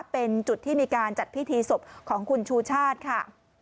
เป็นจุดที่มีการจัดพิธีศพของคุณชูชาติค่ะ